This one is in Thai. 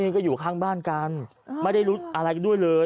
ก็อยู่ข้างบ้านกันไม่ได้รู้อะไรกันด้วยเลย